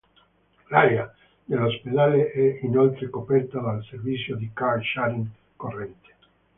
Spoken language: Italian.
L'area dell'ospedale è inoltre coperta dal servizio di car sharing Corrente.